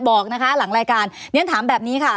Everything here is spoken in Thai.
บอกนะคะหลังรายการเรียนถามแบบนี้ค่ะ